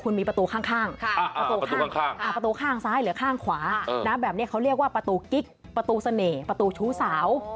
นี่เขาเรียกว่าประตูกิ๊กประตูเสน่ห์ประตูชุสาว